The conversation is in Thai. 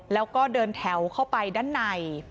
แล้วก็เดินแถวเข้าไปด้านใน